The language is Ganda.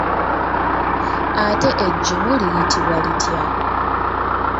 Ate eggimu liyitibwa litya?